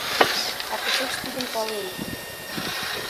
А кушеч тидым пален?